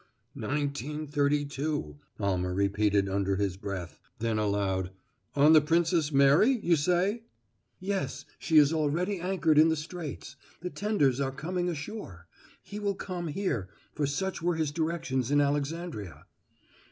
"Nineteen Thirty two," Almer repeated, under his breath. Then aloud: "On the Princess Mary, you say?" "Yes; she is already anchored in the straits. The tenders are coming ashore. He will come here, for such were his directions in Alexandria."